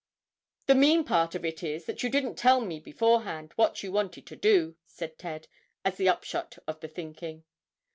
"The mean part of it is, that you didn't tell me beforehand what you wanted to do," said Ted, as the upshot of the thinking.